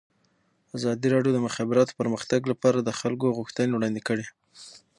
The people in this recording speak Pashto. ازادي راډیو د د مخابراتو پرمختګ لپاره د خلکو غوښتنې وړاندې کړي.